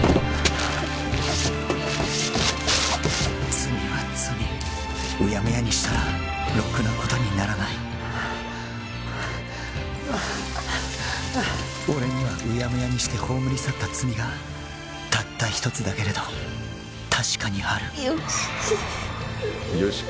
罪は罪うやむやにしたらロクなことにならない俺にはうやむやにして葬り去った罪がたった一つだけれど確かにある由樹